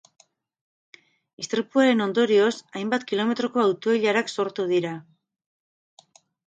Istripuaren ondorioz, hainbat kilometroko auto-ilarak sortu dira.